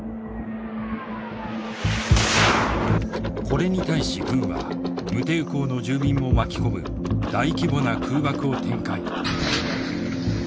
これに対し軍は無抵抗の住民も巻き込む大規模な空爆を展開。